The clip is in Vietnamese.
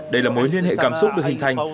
đây là mối liên hệ cảm xúc được hình thành